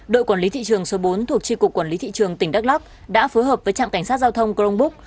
đội quản lý thị trường số bốn thuộc chi cục quản lý thị trường tỉnh đắk lắc đã phối hợp với trạm cảnh sát giao thông chromebook